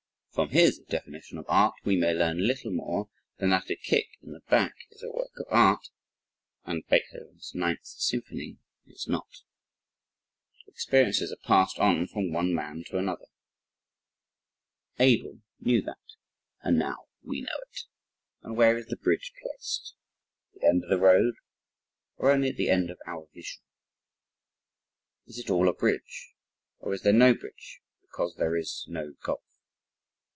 From his definition of art we may learn little more than that a kick in the back is a work of art, and Beethoven's 9th Symphony is not. Experiences are passed on from one man to another. Abel knew that. And now we know it. But where is the bridge placed? at the end of the road or only at the end of our vision? Is it all a bridge? or is there no bridge because there is no gulf?